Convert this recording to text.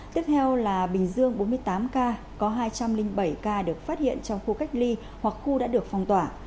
tiếp theo là bình dương bốn mươi tám ca có hai trăm linh bảy ca được phát hiện trong khu cách ly hoặc khu đã được phong tỏa